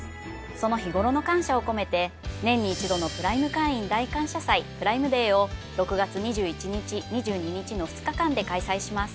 その日頃の感謝を込めて年に一度のプライム会員大感謝祭プライムデーを６月２１日２２日の２日間で開催します。